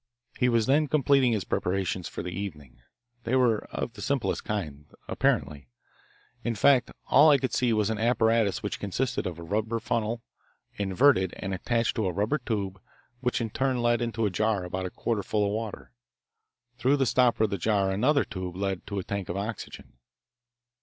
He was then completing his preparations for the evening. They were of the simplest kind, apparently. In fact, all I could see was an apparatus which consisted of a rubber funnel, inverted and attached to a rubber tube which led in turn into a jar about a quarter full of water. Through the stopper of the jar another tube led to a tank of oxygen.